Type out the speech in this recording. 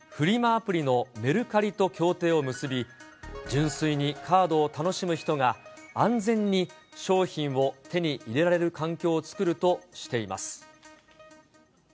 アプリのメルカリと協定を結び、純粋にカードを楽しむ人が安全に商品を手に入れられる環境を作るとしています。